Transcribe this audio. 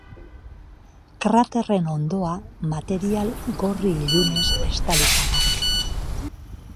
Kraterren hondoa material gorri ilunez estalita dago.